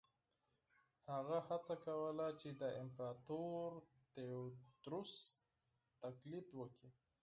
هغه هڅه کوله چې د امپراتور تیوودروس تقلید وکړي.